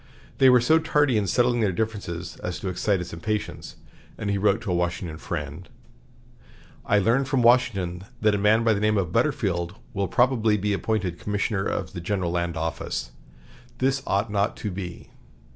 They were so tardy in settling their differences as to excite his impatience, and he wrote to a Washington friend: "I learn from Washington that a man by the name of Butterfield will probably be appointed Commissioner of the General Land Office, This ought not to be....